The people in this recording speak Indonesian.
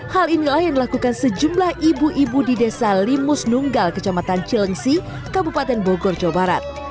hal inilah yang dilakukan sejumlah ibu ibu di desa limus nunggal kecamatan cilengsi kabupaten bogor jawa barat